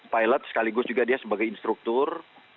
pilot sekaligus juga dia sebagai instruktur